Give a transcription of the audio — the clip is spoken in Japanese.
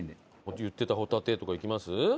言ってたホタテとかいきます？